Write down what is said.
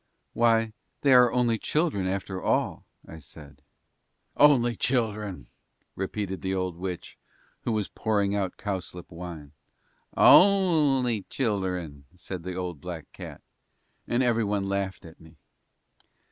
"Why they are only children after all," I said. "Only children!" repeated the old witch who was pouring out cowslip wine. "Only children," said the old black cat. And every one laughed at me.